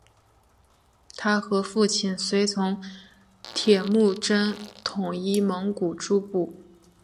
他和父亲随从铁木真统一蒙古诸部。